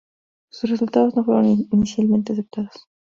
Sus resultados no fueron inicialmente aceptados.